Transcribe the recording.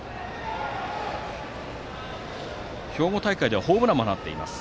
兵庫大会ではホームランも放っています。